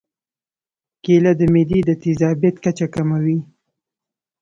کېله د معدې د تیزابیت کچه کموي.